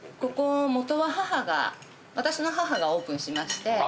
ここ元は母が私の母がオープンしまして。